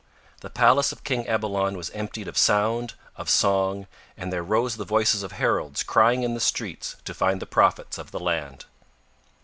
The palace of King Ebalon was emptied of sound of song and there rose the voices of heralds crying in the streets to find the prophets of the land.